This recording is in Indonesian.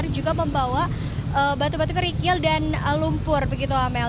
juga membawa batu batu kerikil dan lumpur begitu amel